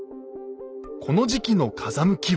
この時期の風向きは。